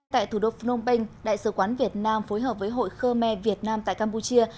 tại thủ đô phnom penh đại sứ quán việt nam phối hợp với hội khơ me việt nam tại campuchia